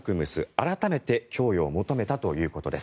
改めて供与を求めたということです。